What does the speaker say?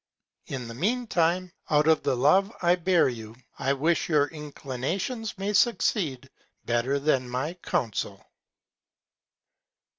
In the mean Time, out of the Love I bear you, I wish your Inclinations may succeed better than my Counsel.